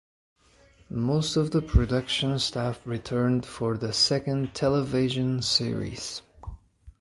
Most of the production staff returned for the second television series.